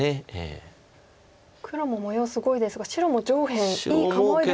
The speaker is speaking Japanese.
黒も模様すごいですが白も上辺いい構えですね。